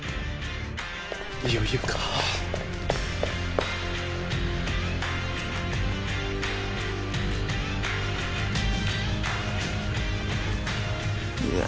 いよいよかうわ